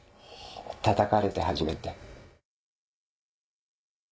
たたかれて初めて。